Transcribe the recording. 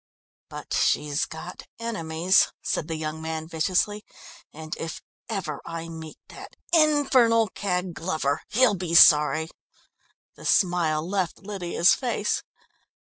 "But she's got enemies," said the young man viciously, "and if ever I meet that infernal cad, Glover, he'll be sorry." The smile left Lydia's face.